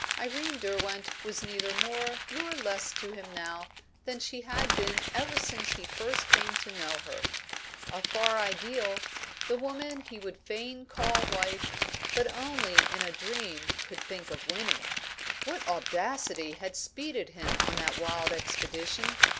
Irene Derwent was neither more nor less to him now than she had been ever since he first came to know her: a far ideal, the woman he would fain call wife, but only in a dream could think of winning. What audacity had speeded him on that wild expedition?